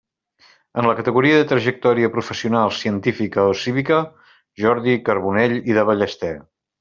En la categoria de trajectòria professional, científica o cívica, Jordi Carbonell i de Ballester.